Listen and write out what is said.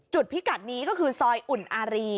พิกัดนี้ก็คือซอยอุ่นอารี